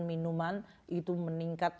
minuman itu meningkat